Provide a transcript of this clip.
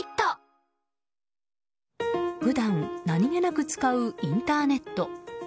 普段、何気なく使うインターネット。